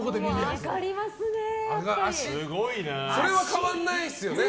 でも、それは変わらないですよね。